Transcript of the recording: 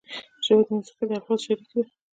ژبه د موسیقۍ د الفاظو شریک ده